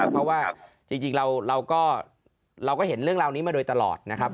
เพราะว่าจริงเราก็เห็นเรื่องราวนี้มาโดยตลอดนะครับ